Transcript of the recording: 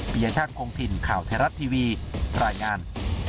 ปียชาติคงถิ่นข่าวไทยรัฐทีวีรายงาน